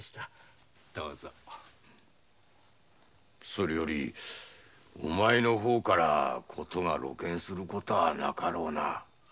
それよりお前の方からことが露見することはなかろうな？